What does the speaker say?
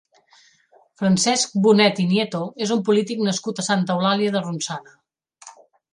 Francesc Bonet i Nieto és un polític nascut a Santa Eulàlia de Ronçana.